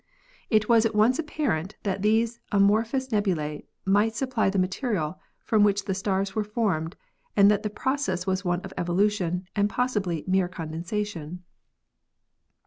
It was at once apparent that these amorphous nebulae might supply the material from which the stars were formed and that the process was one of evo lution and possibly mere condensation.